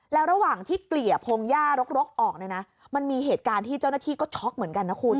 แล้วระหว่างที่เกลี่ยพงหญ้ารกรกออกเนี่ยนะมันมีเหตุการณ์ที่เจ้าหน้าที่ก็ช็อกเหมือนกันนะคุณ